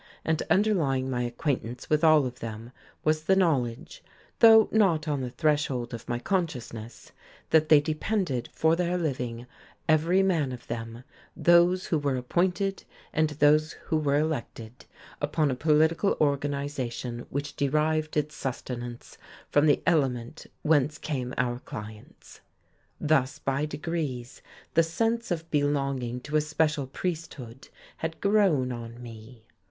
And underlying my acquaintance with all of them was the knowledge though not on the threshold of my consciousness that they depended for their living, every man of them, those who were appointed and those who were elected, upon a political organization which derived its sustenance from the element whence came our clients. Thus by degrees the sense of belonging to a special priesthood had grown on me.